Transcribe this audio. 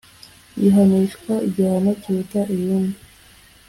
bihanishwa igihano kiruta ibindi